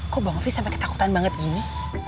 kok bang novi sampai ketakutan banget gini